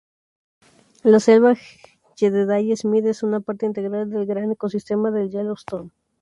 La Selva Jedediah Smith es una parte integral del Gran Ecosistema de Yellowstone.